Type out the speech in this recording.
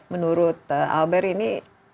menurut albert ini